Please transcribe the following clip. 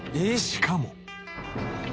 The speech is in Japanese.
しかも。